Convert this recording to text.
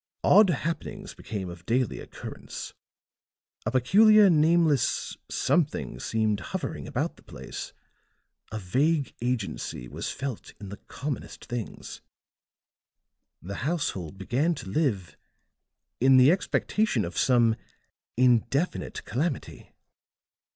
Odd happenings became of daily occurrence; a peculiar, nameless something seemed hovering about the place; a vague agency was felt in the commonest things; the household began to live in the expectation of some indefinite calamity."